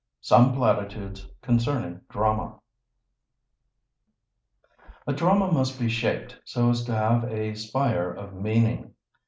SOME PLATITUDES CONCERNING DRAMA A drama must be shaped so as to have a spire of meaning.